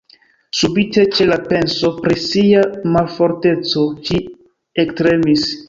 Subite, ĉe la penso pri sia malforteco, ŝi ektremis.